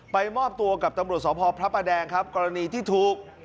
มอบตัวกับตำรวจสพพระประแดงครับกรณีที่ถูก